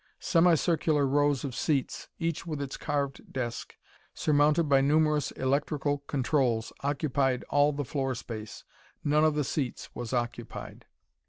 Semicircular rows of seats, each with its carved desk, surmounted by numerous electrical controls, occupied all the floor space. None of the seats was occupied.